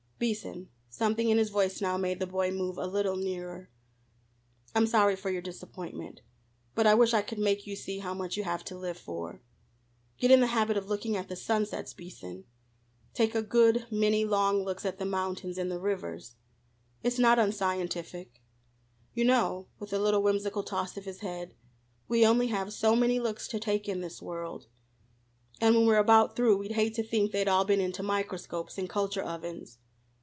"Beason," something in his voice now made the boy move a little nearer "I'm sorry for your disappointment, but I wish I could make you see how much you have to live for. Get in the habit of looking at the sunsets, Beason. Take a good many long looks at the mountains and the rivers. It's not unscientific. You know," with a little whimsical toss of his head "we only have so many looks to take in this world, and when we're about through we'd hate to think they'd all been into microscopes and culture ovens.